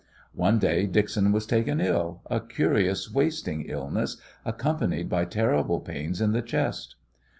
One day Dixon was taken ill, a curious wasting illness accompanied by terrible pains in the chest.